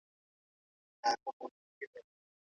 حساب او کتاب به له هر چا سره کيږي.